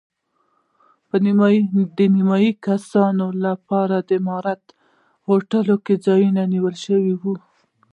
د نیمایي کسانو لپاره د ماریاټ هوټل کې ځای نیول شوی و.